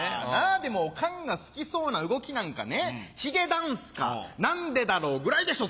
でもおかんが好きそうな動きなんかね「ヒゲダンス」か「なんでだろう」ぐらいでしょう